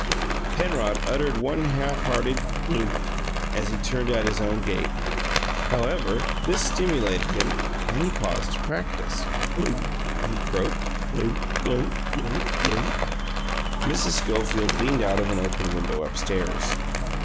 Penrod uttered one half hearted "Gunk" as he turned in at his own gate. However, this stimulated him, and he paused to practice. "Gunk!" he croaked. "Gunk gunk gunk gunk!" Mrs. Schofield leaned out of an open window upstairs.